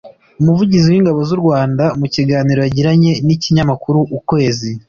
umuvugizi w’Ingabo z’u Rwanda mu kiganiro yagiranye n’ikinyamakuru Ukwezi